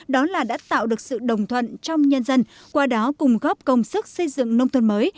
đó là đã tạo được sự đồng thuận trong nhân dân qua đó cùng góp công sức xây dựng nông thôn mới